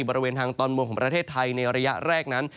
บริเวณทางตอนบนของประเทศไทยในระยะแรกนั้น